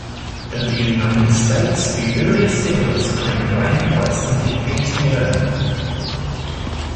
In the United States, the earliest settlers claimed land by simply fencing it in.